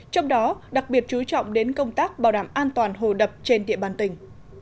trong đó đặc biệt chú trọng đến công tác bảo đảm an toàn hồ đập trên địa bàn tỉnh